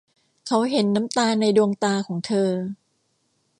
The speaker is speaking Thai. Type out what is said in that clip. เขาเห็นน้ำตาในดวงตาของเธอ